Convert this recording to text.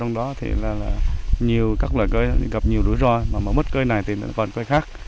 nói chung là nhiều các loại cây gặp nhiều rủi ro mà mất cây này thì còn cây khác